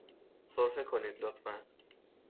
سرفه کنید، لطفاً.